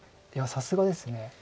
さすがです。